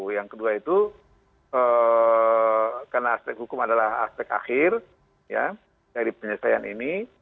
yang kedua itu karena aspek hukum adalah aspek akhir dari penyelesaian ini